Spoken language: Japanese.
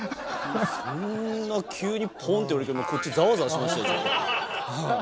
そんな急にぽんと言われても、こっち、ざわざわしましたよ、ちょっと。